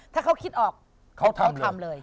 ถ้าเขาคิดออกเขาทำเลย